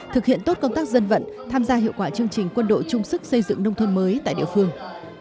thực hiện tốt công tác dân vận tham gia hiệu quả chương trình quân đội trung sức xây dựng nông thôn mới tại địa phương